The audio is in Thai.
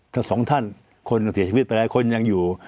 ถ้าสองท่านคนเสียชีวิตไปหลายคนยังอยู่